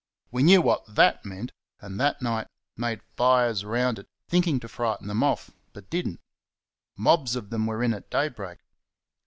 We knew what THAT meant, and that night made fires round it, thinking to frighten them off, but did n't mobs of them were in at daybreak.